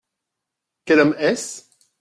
Quel homme est-ce ?